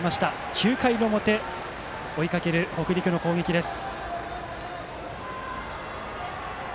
９回表追いかける北陸の攻撃です。